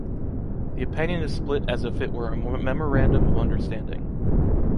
The opinion is split as if it were a memorandum of understanding.